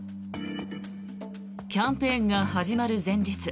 キャンペーンが始まる前日